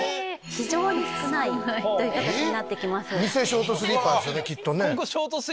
非常に少ないという形になってきます。